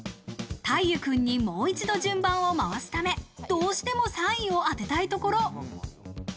大祐君にもう一度、順番を回すため、どうしても３位を当てたいところ。